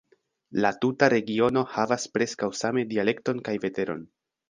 La tuta regiono havas preskaŭ same dialekton kaj veteron.